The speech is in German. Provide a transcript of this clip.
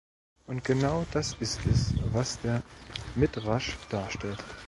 Und genau das ist es, was der Midrasch darstellt.